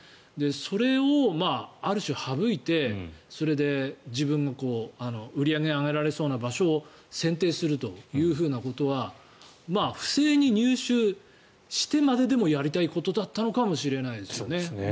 それを、ある種、省いて自分が売り上げを上げられそうな場所を選定するというふうなことは不正に入手してまででもやりたいことだったのかもしれないですよね。